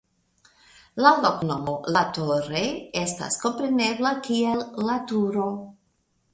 La loknomo "La Torre" estas komprenebla kiel "La Turo".